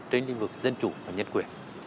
trên lĩnh vực dân chủ và nhân quyền